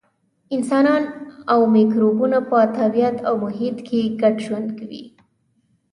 انسانان او مکروبونه په طبیعت او محیط کې ګډ ژوند کوي.